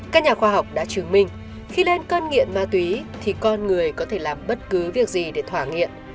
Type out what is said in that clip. các nhà khoa học đã chứng minh khi lên cơn nghiện ma túy thì con người có thể làm bất cứ việc gì để thỏa nguyện